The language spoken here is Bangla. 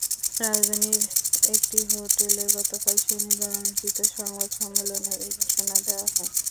রাজধানীর একটি হোটেলে গতকাল শনিবার আয়োজিত সংবাদ সম্মেলনে এ ঘোষণা দেওয়া হয়।